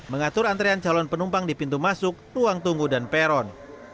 mengatur antrean calon penumpang di pintu masuk ruang tunggu dan peron